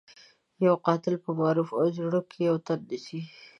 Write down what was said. يو قاتل په معروف او زيړوک کې يو تن نيسي.